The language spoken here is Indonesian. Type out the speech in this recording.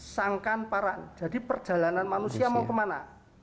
sangkan paran jadi perjalanan manusia mau ke mana